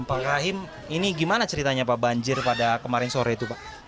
pak rahim ini gimana ceritanya pak banjir pada kemarin sore itu pak